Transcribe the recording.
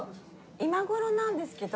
今頃なんですけど。